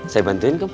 saya bantuin kum